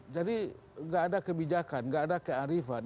jadi tidak ada kebijakan tidak ada kearifan